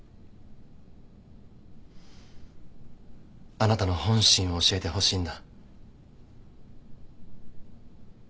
あなたの本心を教えてほしいんだ。